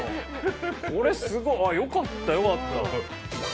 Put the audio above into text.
これすごいよかったよかった。